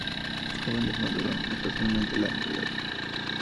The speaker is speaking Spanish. Los jóvenes maduran sexualmente al año de edad.